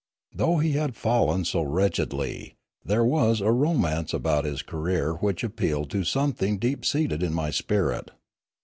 Though he had fallen so wretchedly there was a romance about his career which appealed to some thing deep seated in my spirit.